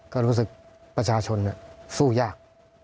ก็รู้สึกประชาชนสู้ยาก